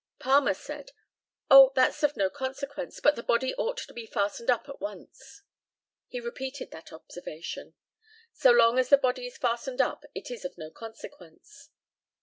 Palmer said, "Oh! that's of no consequence, but the body ought to be fastened up at once." He repeated that observation "So long as the body is fastened up, it is of no consequence."